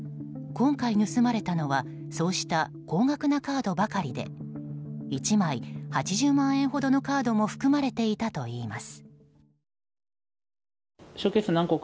今回盗まれたのはそうした高額なカードばかりで１枚８０万円ほどのカードも含まれていたといいます。